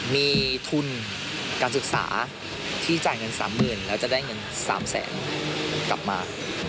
มีทุนการศึกษาที่จ่ายเงิน๓๐๐๐แล้วจะได้เงิน๓แสนกลับมา